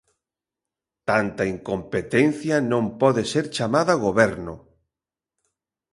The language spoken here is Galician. Tanta incompetencia non pode ser chamada Goberno.